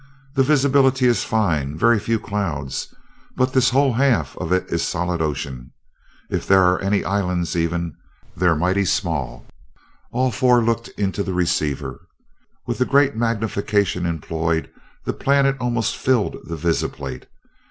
The visibility is fine very few clouds but this whole half of it is solid ocean. If there are any islands, even, they're mighty small." All four looked into the receiver. With the great magnification employed, the planet almost filled the visiplate.